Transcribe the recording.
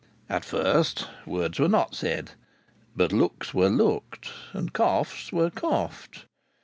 At first words were not said; but looks were looked, and coughs were coughed.